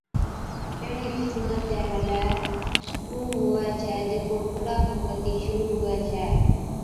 پيهڻي قِسما چَي ملَي اُون هُوَي ڇَي جڪو ٺوڏا کن ڪتِي شرُوع هُوَي ڇَي